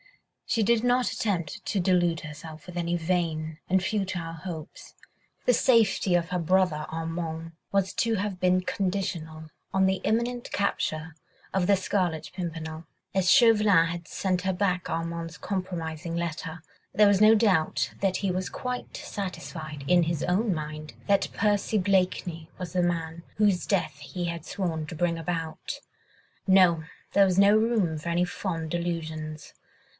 She did not attempt to delude herself with any vain and futile hopes; the safety of her brother Armand was to have been conditional on the imminent capture of the Scarlet Pimpernel. As Chauvelin had sent her back Armand's compromising letter, there was no doubt that he was quite satisfied in his own mind that Percy Blakeney was the man whose death he had sworn to bring about. No! there was no room for any fond delusions!